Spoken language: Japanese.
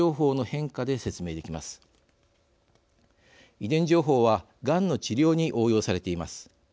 遺伝情報はがんの治療に応用されています。